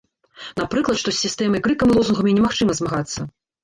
Напрыклад, што з сістэмай крыкам і лозунгамі немагчыма змагацца.